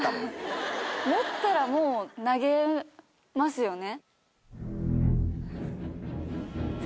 持ったらもう投げますよね。